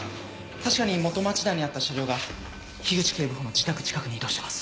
確かに元町台にあった車両が口警部補の自宅近くに移動してます。